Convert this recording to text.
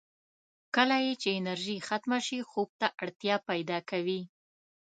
کله یې چې انرژي ختمه شي، خوب ته اړتیا پیدا کوي.